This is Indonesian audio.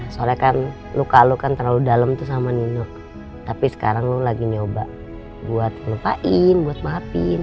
soalnya kan luka lu kan terlalu dalam tuh sama nino tapi sekarang lo lagi nyoba buat ngelupain buat maafin